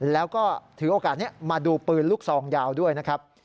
แล้วก็ถือโอกาสนี้มาดูปืนลูกซองยาวด้วยนะครับ